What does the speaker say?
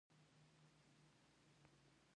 زه یوه لوستې پیغله يمه.